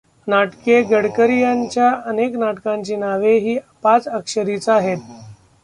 नाटके गडकर् यांच्या अनेक नाटकांची नावे ही पाच अक्षरीच आहेत.